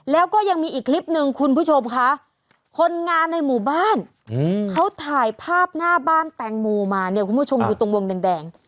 แล้วก็ยังมีอีกคลิปหนึ่งคุณผู้ชมค่ะคนงานในหมู่บ้านเขาถ่ายภาพหน้าบ้านแตงโมมาเนี่ยคุณผู้ชมอยู่ตรงวงแดง